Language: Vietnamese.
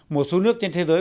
một số nước trên thế giới